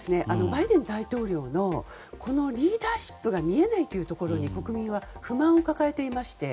バイデン大統領のリーダーシップが見えないというところに国民は不満を抱えていまして。